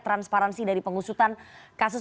transparansi dari pengusutan kasus